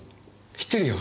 知ってるよ。